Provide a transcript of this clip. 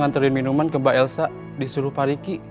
nganterin minuman ke mbak elsa disuruh pariki